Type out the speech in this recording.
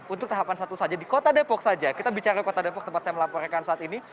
untuk tahapan satu saja di kota depok saja kita bicara kota depok tempat saya melaporkan saat ini